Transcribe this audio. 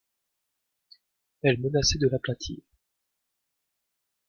Elle menaçait de l’aplatir.